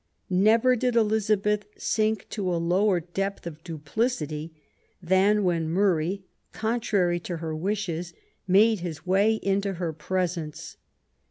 Never did Elizabeth sink to a lower depth of duplicity than when Murray, contrary to her wishes, made his way into her presence.